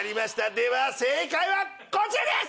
では正解はこちらです！